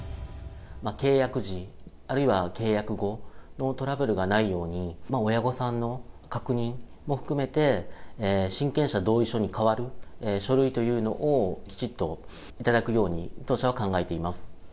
契約時、あるいは契約後のトラブルがないように、親御さんの確認も含めて、親権者同意書に替わる書類というのをきちっと頂くように、当社は考えています。